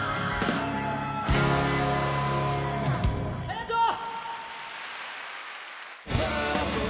ありがとう！